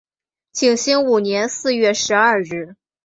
景兴五年四月十二日。